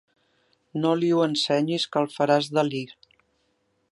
No li ho ensenyis, que el faràs delir.